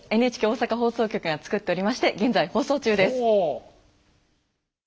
ＮＨＫ大阪放送局が作っておりまして現在放送中です。